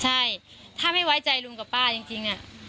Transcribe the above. ใช่ถ้าไม่ไว้ใจลุงกับป้าจริง